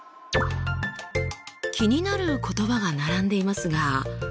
気になる言葉が並んでいますが。